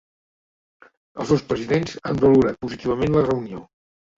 Els dos presidents han valorat positivament la reunió.